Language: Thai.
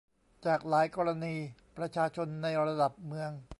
จากหลายกรณีประชาชนในระดับเมือง